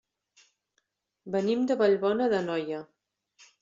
Venim de Vallbona d'Anoia.